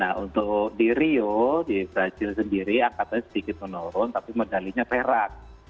nah untuk di rio di brazil sendiri angkatan sedikit menurun tapi medalinya perak